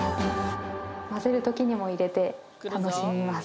混ぜる時にも入れて楽しみます